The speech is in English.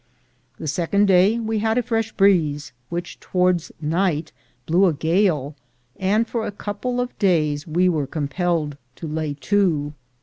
The second day we had a fresh breeze, which towards night blew a gale, and for a couple of daj^s we were compelled to lay to.